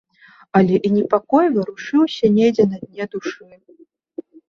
Але і непакой варушыўся недзе на дне душы.